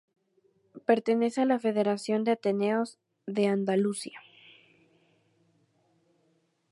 Pertenece a la Federación de Ateneos de Andalucía.